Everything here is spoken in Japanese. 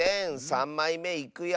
３まいめいくよ。